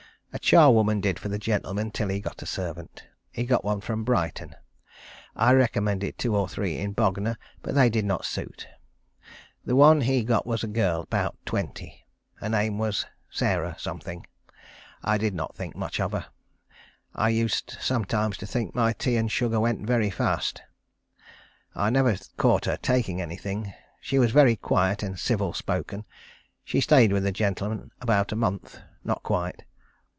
A charwoman did for the gentleman till he got a servant. He got one from Brighton. I recommended two or three in Bognor, but they did not suit. The one he got was a girl about twenty. Her name was Sarah Something. I did not think much of her. I used sometimes to think my tea and sugar went very fast. I never caught her taking anything. She was very quiet and civil spoken. She stayed with the gentleman about a month; not quite.